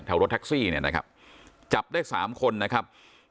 รถแท็กซี่เนี่ยนะครับจับได้๓คนนะครับ